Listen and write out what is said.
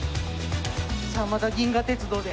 さあまた銀河鉄道で。